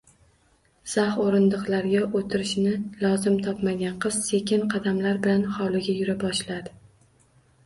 Zax o`rindiqlarga o`tirishni lozim topmagan qiz sekin qadamlar bilan hovlida yura boshladi